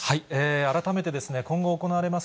改めてですね、今後行われます